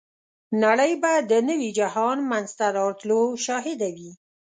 نړۍ به د نوي جهان منځته راتلو شاهده وي.